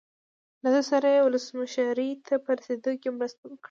له ده سره یې ولسمشرۍ ته په رسېدو کې مرسته وکړه.